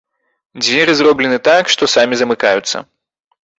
Дзверы зроблены так, што самі замыкаюцца.